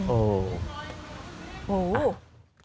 โอ้ว